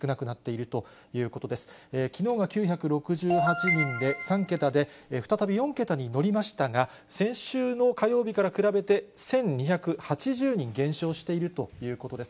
きのうが９６８人で３桁で、再び４桁に乗りましたが、先週の火曜日から比べて１２８０人減少しているということです。